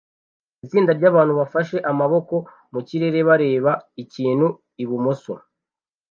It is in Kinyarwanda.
Itsinda ryabantu bafashe amaboko mukirere bareba ikintu ibumoso